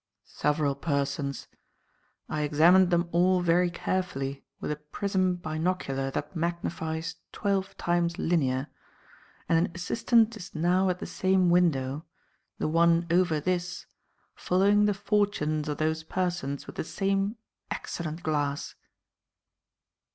"Several persons. I examined them all very carefully with a prism binocular that magnifies twelve times linear, and an assistant is now at the same window the one over this following the fortunes of those persons with the same excellent glass."